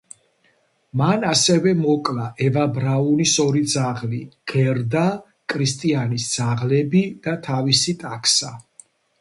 მან ასევე მოკლა ევა ბრაუნის ორი ძაღლი, გერდა კრისტიანის ძაღლები და თავისი ტაქსა.